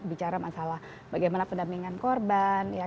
bicara masalah bagaimana pendampingan korban